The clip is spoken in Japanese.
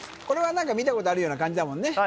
これは見たことあるような感じだもんね